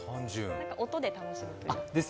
音で楽しむというか。